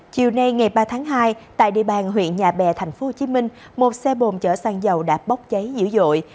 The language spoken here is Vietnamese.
chiều nay ngày ba tháng hai tại địa bàn huyện nhà bè tp hcm một xe bồn chở xăng dầu đã bốc cháy dữ dội